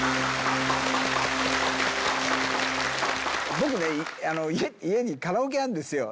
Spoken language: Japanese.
僕ね家にカラオケあるんですよ。